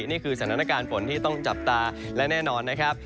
นี่คือสถานการณ์ฝนที่ต้องจับตาและแน่นอนนะครับ